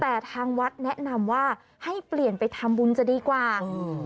แต่ทางวัดแนะนำว่าให้เปลี่ยนไปทำบุญจะดีกว่าอืม